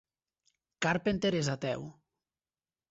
Carpenter és ateu.